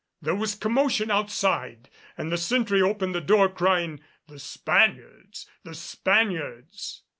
There was commotion outside and the sentry opened the door crying "The Spaniards! The Spaniards!"